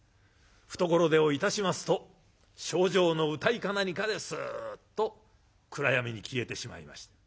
懐手をいたしますと「猩々」の謡か何かですっと暗闇に消えてしまいました。